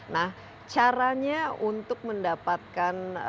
nah caranya untuk mendapatkan